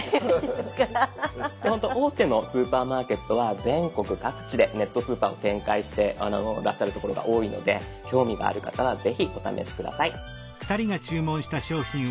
ほんと大手のスーパーマーケットは全国各地でネットスーパーを展開してらっしゃるところが多いので興味がある方はぜひお試し下さい。